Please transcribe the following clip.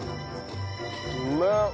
うめえ！